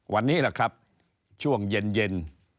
วันนี้แหละครับช่วงเย็น